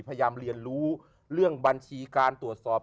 พยายามเรียนรู้เรื่องบัญชีการตรวจสอบ